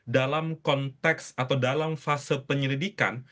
dalam konteks atau dalam fase penyelidikan